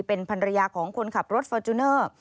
เป็นภรรยาของคนขับรถฟอร์จูเนอร์